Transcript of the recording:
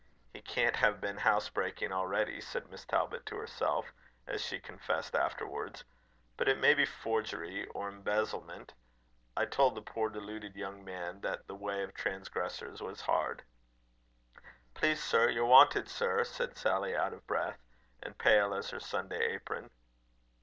"He can't have been housebreaking already," said Miss Talbot to herself, as she confessed afterwards. "But it may be forgery or embezzlement. I told the poor deluded young man that the way of transgressors was hard." "Please, sir, you're wanted, sir," said Sally, out of breath, and pale as her Sunday apron.